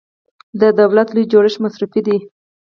د دولت لوی جوړښت مصرفي دی.